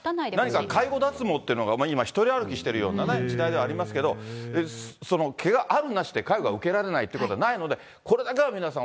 何か介護脱毛っていうのが今、独り歩きしてるような時代ではありますけど、毛があるなしで介護が受けられないということはないので、これだけは皆さん、